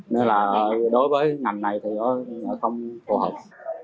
nên là đối với ngành này thì nó không phù hợp